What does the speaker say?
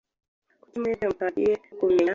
Kuki mwebwe mutagiye kubimenya?